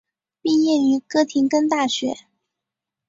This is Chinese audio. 毕业于哥廷根大学。